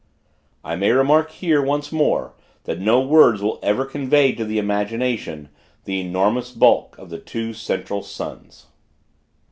I may remark here, once more, that no words will ever convey to the imagination, the enormous bulk of the two Central Suns.